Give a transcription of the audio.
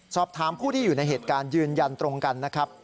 สอบถามผู้ที่อยู่ในเหตุการณ์ยืนยันตรงกันนะครับ